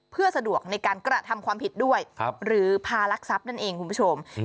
เพื่อสะดวกในการกระทำความผิดด้วยหรือพารักษัพนั่นเองคุณผู้ชม